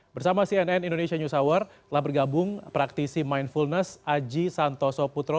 bersama cnn indonesia news hour telah bergabung praktisi mindfulness aji santoso putro